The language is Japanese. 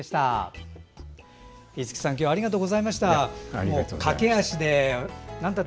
五木さんありがとうございました。